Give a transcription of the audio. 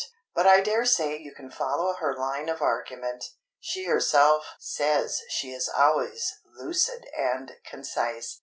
But I dare say you can follow her line of argument. She herself says she is always lucid and concise.